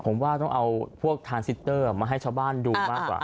ผมว่าต้องเอาพวกทานซิเตอร์มาให้ชาวบ้านดูมากกว่า